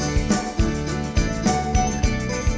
อยากจะได้แอบอิ่ง